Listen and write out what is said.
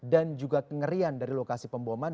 dan juga kengerian dari lokasi pemboman